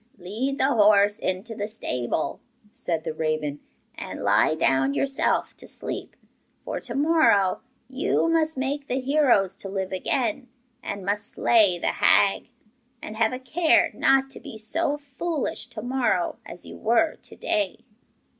'Lead the horse into the stable,' said the raven, 'and lie down yourself to sleep, for to morrow you must make the heroes to live again, and must slay the hag. And have a care not to be so foolish to morrow as you were to day.